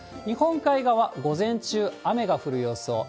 日本海側、午前中、雨が降る予想。